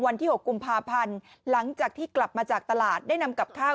วันที่๖กุมภาพันธ์หลังจากที่กลับมาจากตลาดได้นำกับข้าว